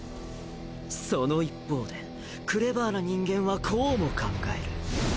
その一方でクレバーな人間はこうも考える。